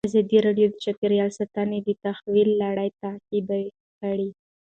ازادي راډیو د چاپیریال ساتنه د تحول لړۍ تعقیب کړې.